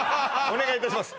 お願いいたします